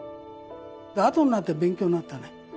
あとになって勉強になったね。